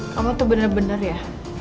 kamu tuh bener bener ya